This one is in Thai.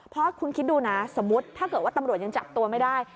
เพราะคุณคิดดูนะสมมุติถ้าเกิดว่าตำรวจยังจับตัวไม่ได้